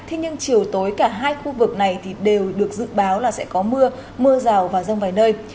thế nhưng chiều tối cả hai khu vực này thì đều được dự báo là sẽ có mưa mưa rào và rông vài nơi